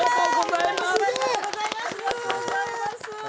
ありがとうございます。